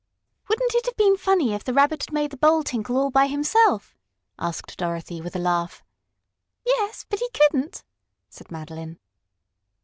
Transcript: "Wouldn't it have been funny if the Rabbit had made the bowl tinkle all by himself?" asked Dorothy, with a laugh. "Yes. But he couldn't," said Madeline.